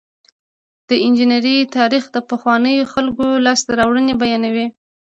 د انجنیری تاریخ د پخوانیو خلکو لاسته راوړنې بیانوي.